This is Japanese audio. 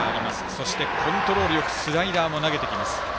そして、コントロールよくスライダーも投げてきます。